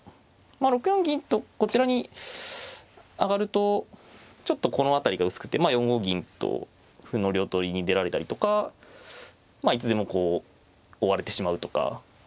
６四銀とこちらに上がるとちょっとこの辺りが薄くてまあ４五銀と歩の両取りに出られたりとかいつでもこう追われてしまうとか。